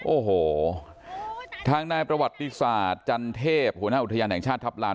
โอ้โหทางนายประวัติศาสตร์จันเทพหัวหน้าอุทยานแห่งชาติทัพลาน